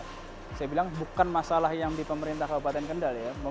saya bilang bukan masalah yang di pemerintah kabupaten kendal ya